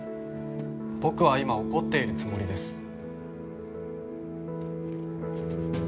僕は今怒っているつもりです。